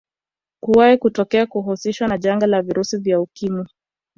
Kuwahi kutokea kuhusishwa na janga la virusi vya Ukimwi